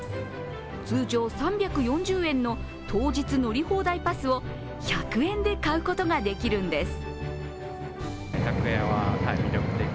通常３４０円の当日乗り放題パスを１００円で買うことができるんです。